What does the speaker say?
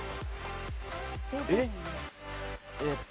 えっ？